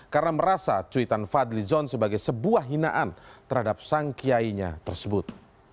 karena merasa cuitan fadli zon sebagai sebuah hinaan terhadap sangkiainya tersebut